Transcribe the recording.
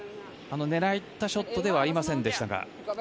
狙ったショットではありませんでしたが。